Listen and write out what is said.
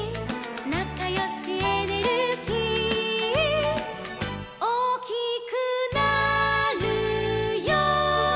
「なかよしエネルギー」「おおきくなるよ」